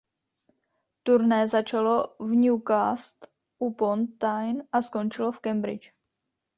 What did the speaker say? Turné začalo v Newcastle upon Tyne a skončilo v Cambridge.